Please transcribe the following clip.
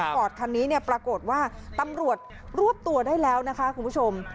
ฟอร์ดคันนี้เนี่ยปรากฏว่าตำรวจรวบตัวได้แล้วนะคะคุณผู้ชม